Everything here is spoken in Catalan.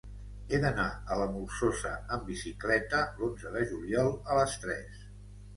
He d'anar a la Molsosa amb bicicleta l'onze de juliol a les tres.